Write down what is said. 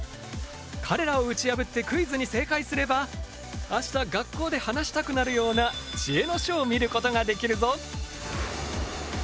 彼らを打ち破ってクイズに正解すれば明日学校で話したくなるような知恵の書を見ることができるぞ！